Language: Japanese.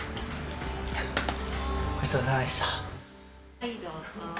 はい、どうぞ。